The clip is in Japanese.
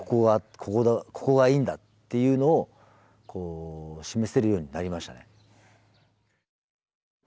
ここがいいんだっていうのを示せるようになりましたね。